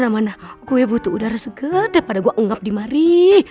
udara mana gue butuh udara segede pada gue nganggap dimari